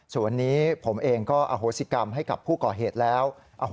ส่วนนี้ผมเองก็ให้กับผู้ก่อเหตุแล้ว